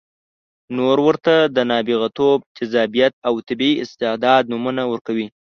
نور ورته د نابغتوب، جذابیت او طبیعي استعداد نومونه ورکوي.